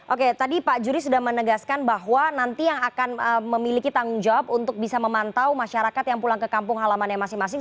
oke tadi pak juri sudah menegaskan bahwa nanti yang akan memiliki tanggung jawab untuk bisa memantau masyarakat yang pulang ke kampung halaman yang masing masing